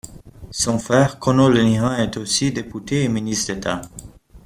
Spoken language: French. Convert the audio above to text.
Son frère Conor Lenihan est aussi député et ministre d'État.